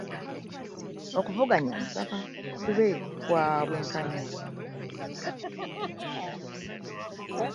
Okuvuganya nsaba kube kwa bwenkanya.